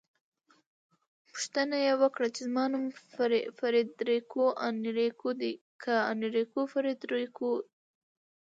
پوښتنه يې وکړه چې زما نوم فریدریکو انریکو دی که انریکو فریدریکو؟